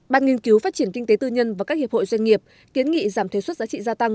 ban nghiên cứu phát triển kinh tế tư nhân và các hiệp hội doanh nghiệp kiến nghị giảm thuế xuất giá trị gia tăng